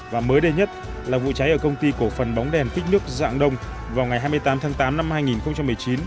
và mới đây nhất là vụ cháy ở công ty cổ phần bóng đèn phích nước dạng đông vào ngày hai mươi tám tháng tám năm hai nghìn một mươi chín